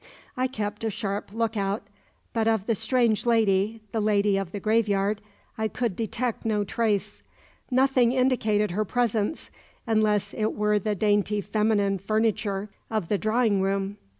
I kept a sharp look out, but of the strange lady the lady of the graveyard I could detect no trace. Nothing indicated her presence, unless it were the dainty feminine furniture of the drawing room.